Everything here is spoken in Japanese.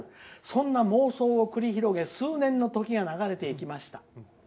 そんな妄想を繰り広げ数年の時が流れていきました。